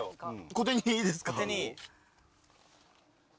小手兄いいですか？